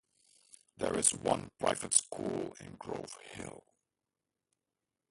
There is one private school in Grove Hill.